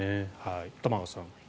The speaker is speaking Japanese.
玉川さん。